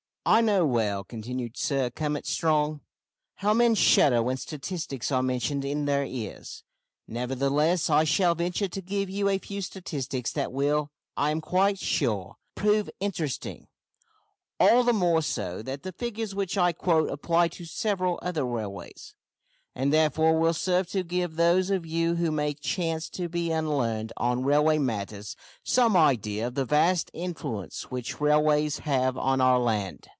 "I know well," continued Sir Cummit Strong, "how men shudder when statistics are mentioned in their ears! Nevertheless, I shall venture to give you a few statistics that will, I am quite sure, prove interesting all the more so that the figures which I quote apply to several other railways and, therefore, will serve to give those of you who may chance to be unlearned on railway matters, some idea of the vast influence which railways have on our land.